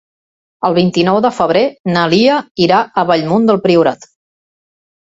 El vint-i-nou de febrer na Lia irà a Bellmunt del Priorat.